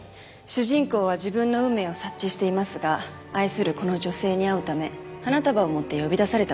主人公は自分の運命を察知していますが愛するこの女性に会うため花束を持って呼び出された場所へ行きます。